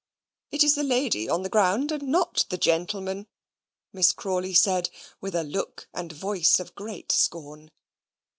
"It is the lady on the ground, and not the gentleman," Miss Crawley said, with a look and voice of great scorn.